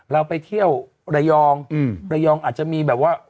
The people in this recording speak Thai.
เราไปเที่ยวระยองระยองอาจจะมีแบบว่า